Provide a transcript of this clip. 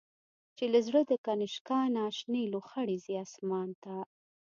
چی له زړه د”کنشکا”نه، شنی لو خړی ځی آسمان ته